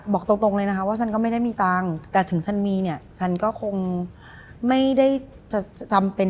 บอกตรงเลยนะคะว่าฉันก็ไม่ได้มีตังค์แต่ถึงฉันมีเนี่ยฉันก็คงไม่ได้จะจำเป็น